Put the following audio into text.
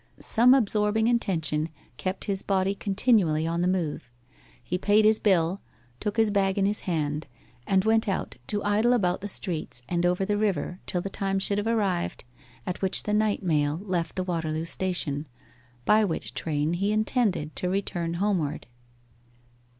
Some absorbing intention kept his body continually on the move. He paid his bill, took his bag in his hand, and went out to idle about the streets and over the river till the time should have arrived at which the night mail left the Waterloo Station, by which train he intended to return homeward.